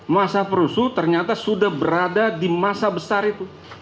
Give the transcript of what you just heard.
masa perusuh ternyata sudah berada di masa besar itu